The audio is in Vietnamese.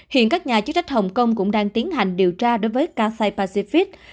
hiện các nhà chức trách hồng kông cũng đang tiến hành điều tra đối với cathay pacific